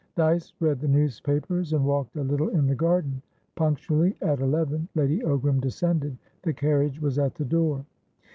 Dyce read the newspapers, and walked a little in the garden. Punctually at eleven, Lady Ogram descended. The carriage was at the door.